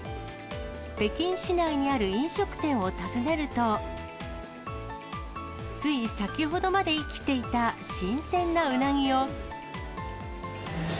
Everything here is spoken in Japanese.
北京市内にある飲食店を訪ねると、つい先ほどまで生きていた新鮮なうなぎを。